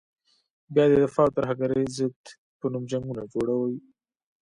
بیا د دفاع او ترهګرې ضد په نوم جنګونه جوړوي.